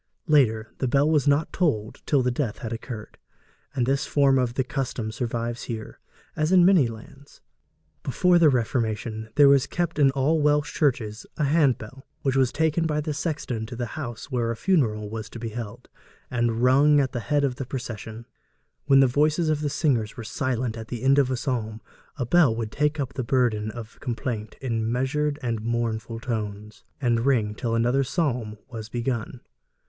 Later, the bell was not tolled till death had occurred, and this form of the custom survives here, as in many lands. Before the Reformation there was kept in all Welsh churches a handbell, which was taken by the sexton to the house where a funeral was to be held, and rung at the head of the procession. When the voices of the singers were silent at the end of a psalm, the bell would take up the burden of complaint in measured and mournful tones, and ring till another psalm was begun.